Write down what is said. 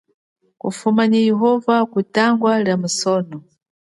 Ufumane yehova kutangwa lia musono.